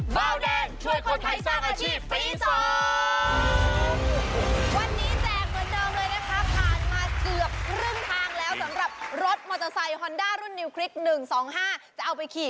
เบาแดงช่วยคนไทยสร้างอาชีพปี๒